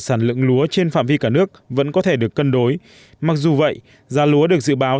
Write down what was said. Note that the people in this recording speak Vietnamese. sản lượng lúa trên phạm vi cả nước vẫn có thể được cân đối mặc dù vậy giá lúa được dự báo